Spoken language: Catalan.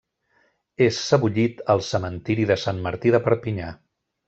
És sebollit al Cementiri de Sant Martí de Perpinyà.